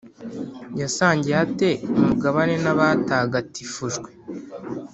Yasangiye ate umugabane n’abatagatifujwe?